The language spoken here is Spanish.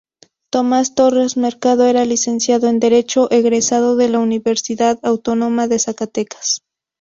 Tomás Torres Mercado era Licenciado en Derecho egresado de la Universidad Autónoma de Zacatecas.